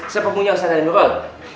sepupunya ustaz janurul